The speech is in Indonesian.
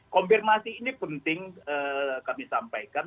konfirmasi ini penting kami sampaikan